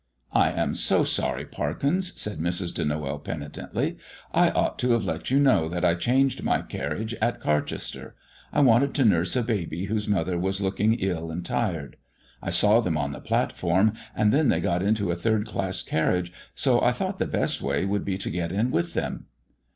"I am so sorry, Parkins," said Mrs. de Noël penitently; "I ought to have let you know that I changed my carriage at Carchester. I wanted to nurse a baby whose mother was looking ill and tired. I saw them on the platform, and then they got into a third class carriage, so I thought the best way would be to get in with them."